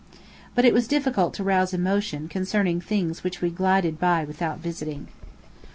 But it was difficult to rouse emotion concerning things which we glided by without visiting.